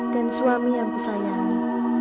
dan suami yang kusayangi